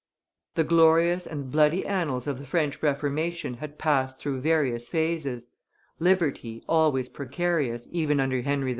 The glorious and bloody annals of the French Reformation had passed through various phases; liberty, always precarious, even under Henry IV.